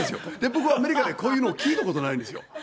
僕はアメリカでこういうの、聞いたことないんですよ。